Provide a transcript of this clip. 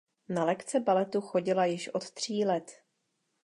Na lekce baletu chodila již od tří let.